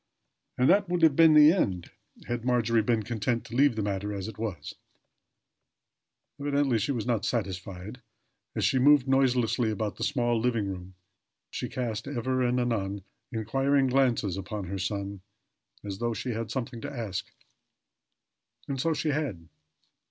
And that would have been the end had Margery been content to leave the matter as it was; evidently, she was not satisfied. As she moved noiselessly about the small living room she cast, ever and anon, inquiring glances upon her son, as though she had something to ask. And so she had.